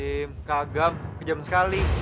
alzim kagam kejam sekali